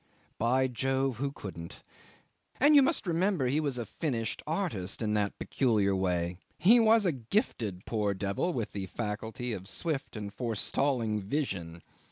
By Jove! who couldn't? And you must remember he was a finished artist in that peculiar way, he was a gifted poor devil with the faculty of swift and forestalling vision.